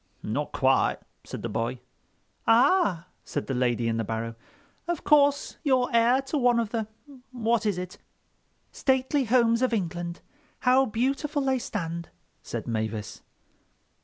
"Not quite," said the boy. "Ah!" said the lady in the barrow, "Of course you're heir to one of the—what is it...?" "'Stately homes of England—how beautiful they stand,'" said Mavis.